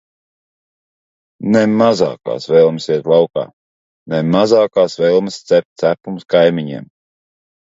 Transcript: Ne mazākās vēlmes iet laukā, ne mazākās vēlmes cept cepumus kaimiņiem.